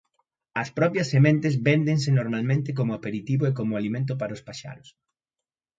As propias sementes véndense normalmente como aperitivo e como alimento para os paxaros.